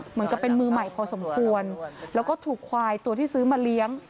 เหมือนกับเป็นมือใหม่พอสมควรแล้วก็ถูกควายตัวที่ซื้อมาเลี้ยง